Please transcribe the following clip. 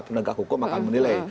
pendagang hukum akan menilai